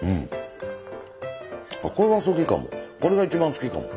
これが好きかも。